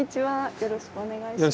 よろしくお願いします。